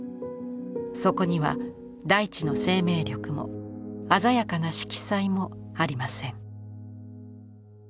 そこには大地の生命力も鮮やかな色彩もありません。